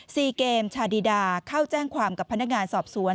ซีเกมชาดิดาเข้าแจ้งความกับพนักงานสอบสวน